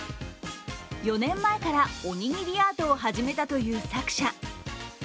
４年前からおにぎりアートを始めたという作者。